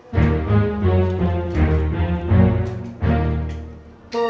jadi perfume lo kenapa aku tak bikin